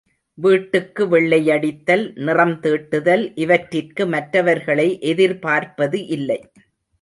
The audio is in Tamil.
வீட்டுக்கு வெள்ளையடித்தல், நிறம் தீட்டுதல் இவற்றிற்கு மற்றவர்களை எதிர்பார்ப்பது இல்லை.